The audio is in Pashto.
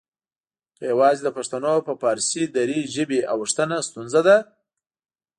که یواځې د پښتنو په فارسي دري ژبې اوښتنه ستونزه ده؟